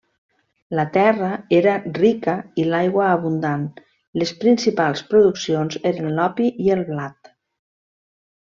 La terra era rica i l'aigua abundant; les principals produccions eren l'opi i el blat.